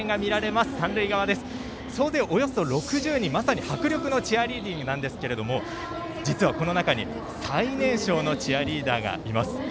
まさに迫力のチアリーディングなんですけれど実はこの中に最年少のチアリーダーがいます。